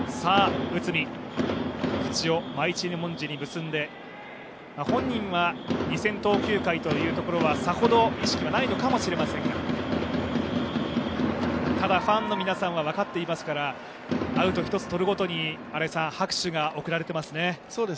口を真一文字に結んで、本人は２０００投球回というところはさほど意識はないのかもしれませんがただ、ファンの皆さんは分かっていますからアウト１つ取るごとに、拍手が贈られていますね。